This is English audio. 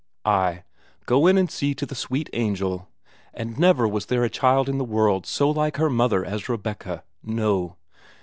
Ay, go in and see to the sweet angel, and never was there a child in the world so like her mother as Rebecca no.